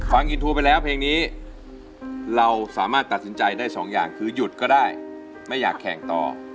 ฟังอินโทรไปแล้วเพลงนี้เราสามารถตัดสินใจได้สองอย่างคือหยุดก็ได้ไม่อยากแข่งต่อ